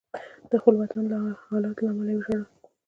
د خپل وطن د حالاتو له امله وژړل.